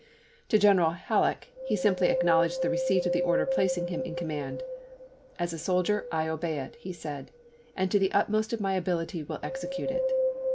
To General pr. 374. " Halleck he simply acknowledged the receipt of the order placing him in command. "As a soldier, I obey it," he said, " and to the utmost of my ability will execute it."